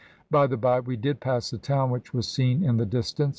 By the bye, we did pass a town, which was seen in the distance.